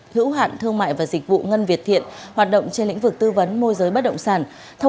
hữu hạn thương mại và dịch vụ ngân việt thiện hoạt động trên lĩnh vực tư vấn môi giới bất động sản